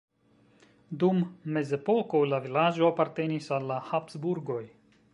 Dum mezepoko la vilaĝo apartenis al la Habsburgoj.